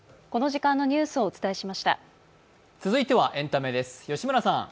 続いてはエンタメです。